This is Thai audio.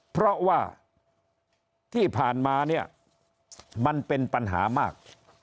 เพราะว่าที่ผ่านมาเนี่ยมันเป็นปัญหามาก